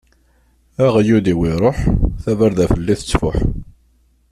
Aɣyul-iw iṛuḥ, tabarda fell-i tettfuḥ.